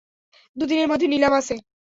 দুদিনের মধ্যে নিলাম আছে।